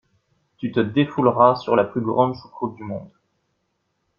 Tu te défouleras sur la plus grande choucroute du monde.